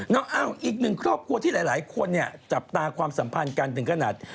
อ้าวอีกหนึ่งครอบครัวที่หลายคนเนี่ยจับตาความสัมพันธ์กันถึงขนาด